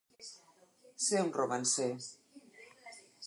Ser un romancer.